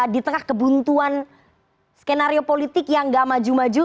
di tengah kebuntuan skenario politik yang gak maju maju